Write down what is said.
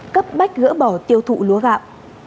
cấp bách gỡ bỏ tiêu thụ lúa gạo